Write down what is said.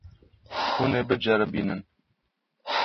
Hûn ê biceribînin.